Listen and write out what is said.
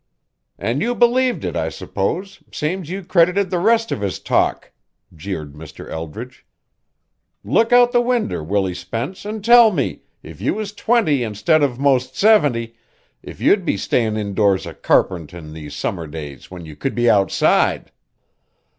"An' you believed it, I s'pose, same's you credited the rest of his talk," jeered Mr. Eldridge. "Look out the winder, Willie Spence, an' tell me, if you was twenty instead of 'most seventy, if you'd be stayin' indoors a carpenterin' these summer days when you could be outside?"